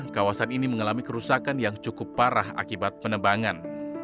kawasan ini mengalami kerusakan yang cukup parah akibat penebangan